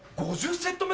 ５０セット！